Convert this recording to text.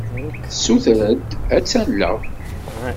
Tessuter-d ad tt-alleɣ.